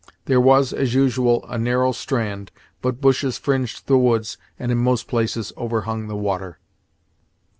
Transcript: There was, as usual, a narrow strand, but bushes fringed the woods, and in most places overhung the water.